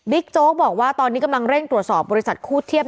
โจ๊กบอกว่าตอนนี้กำลังเร่งตรวจสอบบริษัทคู่เทียบ